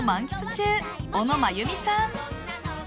中小野真弓さん。